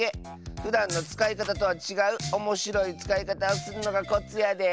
ふだんのつかいかたとはちがうおもしろいつかいかたをするのがコツやで。